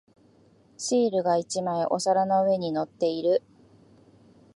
シールが一枚お皿の上に乗っている。